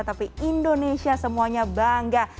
tapi indonesia semuanya bangga